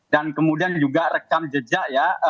dan kemudian juga rekam jejak ya